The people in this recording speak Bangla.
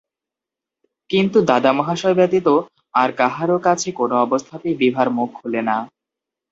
কিন্তু দাদা মহাশয় ব্যতীত আর কাহারাে কাছে কোন অবস্থাতেই বিভার মুখ খুলে না।